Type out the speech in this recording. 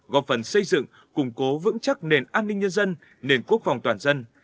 góp phần xây dựng củng cố vững chắc nền an ninh nhân dân nền quốc phòng toàn dân